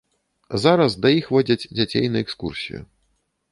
Зараз да іх водзяць дзяцей на экскурсію.